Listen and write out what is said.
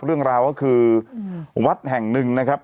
เรื่องราวก็คือวัดแห่งหนึ่งนะครับ